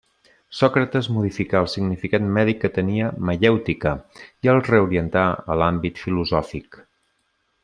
Sòcrates modificà el significat mèdic que tenia maièutica i el reorientà a l'àmbit filosòfic.